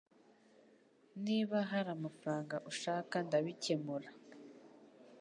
Niba hari amafaranga ushaka ndabikemura